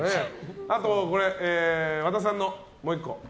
あと、和田さんのもう１個。